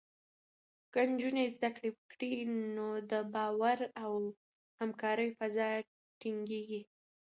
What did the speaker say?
که نجونې زده کړه وکړي، نو د باور او همکارۍ فضا ټینګېږي.